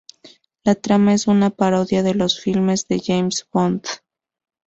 La trama es una parodia de los filmes de James Bond.